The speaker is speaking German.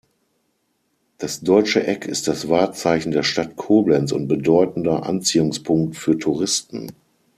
Das Deutsche Eck ist das Wahrzeichen der Stadt Koblenz und bedeutender Anziehungspunkt für Touristen.